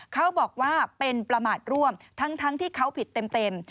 เขาบอกว่าเป็นประมาทร่วมทั้งที่เขาผิดเต็ม